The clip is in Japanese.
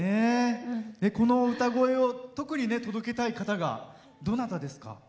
この歌声を特に届けたい方がどなたですか？